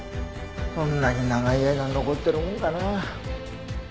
そんなに長い間残ってるもんかな。